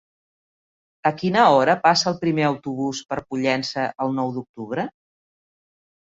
A quina hora passa el primer autobús per Pollença el nou d'octubre?